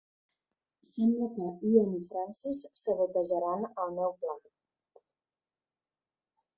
Sembla que Ian i Francis sabotejaran el meu pla.